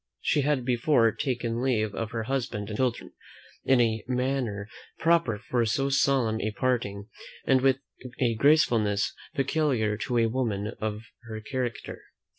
She had before taken leave of her husband and children, in a manner proper for so solemn a parting, and with a gracefulness peculiar to a woman of her character.